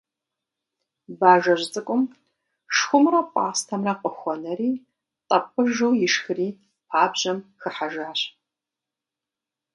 Бажэжь цӀыкӀум шхумрэ пӀастэмрэ къыхуэнэри тӀэпӀыжу ишхри пабжьэм хыхьэжащ.